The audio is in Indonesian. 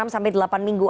enam sampai delapan minggu